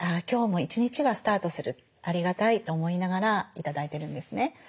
今日も一日がスタートするありがたいと思いながら頂いてるんですね。